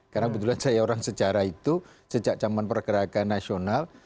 karena kebetulan saya orang sejarah itu sejak zaman pergerakan nasional